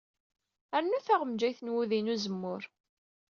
Rnu taɣenjayt n wudi n uzemmur.